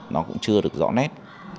nó cũng chưa được rõ nét